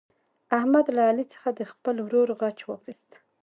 احمد له علي څخه د خپل ورور غچ واخیست.